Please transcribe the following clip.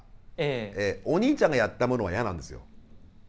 お兄ちゃんがやったものは嫌なんですよ。